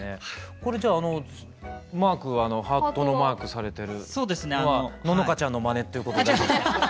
これじゃあマークはハートのマークされてるのはののかちゃんのまねっていうことじゃなくて？